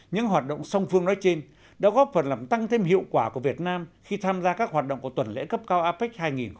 những hoạt động song phương nói trên đã góp phần làm tăng thêm hiệu quả của việt nam khi tham gia các hoạt động của tuần lễ cấp cao apec hai nghìn hai mươi